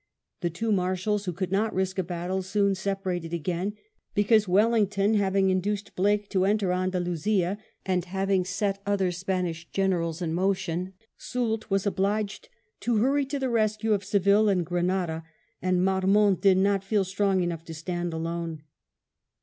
The two Marshals, who would not risk a battle, soon separated again, because, Wellington having induced Blake to enter Andalusia and having set other Spanish Generals in motion, Soult was obliged to hurry to the rescue of Seville and Grenada, and Marmont did not feel strong enough to stand alone.